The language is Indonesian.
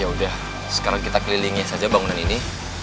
yaudah sekarang kita kelilingi saja bangunan ini